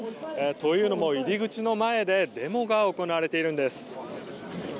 というのも、入り口の前でデモが行われているんです。